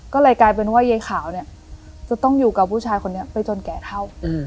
ก็เลยกลายเป็นว่ายายขาวเนี่ยจะต้องอยู่กับผู้ชายคนนี้ไปจนแก่เท่า